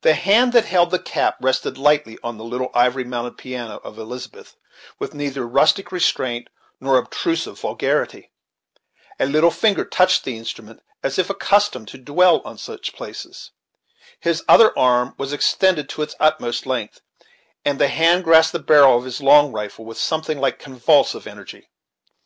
The hand that held the cap rested lightly on the little ivory mounted piano of Elizabeth, with neither rustic restraint nor obtrusive vulgarity. A single finger touched the instrument, as if accustomed to dwell on such places. His other arm was extended to its utmost length, and the hand grasped the barrel of his long rifle with something like convulsive energy.